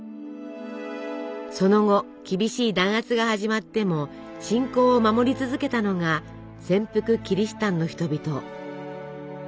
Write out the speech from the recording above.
その後厳しい弾圧が始まっても信仰を守り続けたのが潜伏キリシタンの人々。